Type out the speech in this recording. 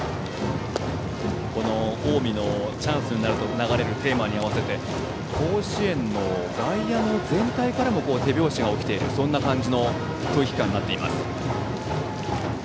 この近江のチャンスになると流れるテーマに合わせて甲子園の外野の全体からも手拍子が起きている感じの空気感になっています。